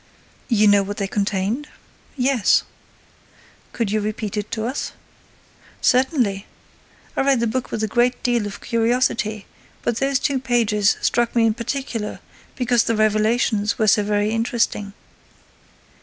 "You know what they contained?" "Yes." "Could you repeat it to us?" "Certainly. I read the book with a great deal of curiosity, but those two pages struck me in particular because the revelations were so very interesting."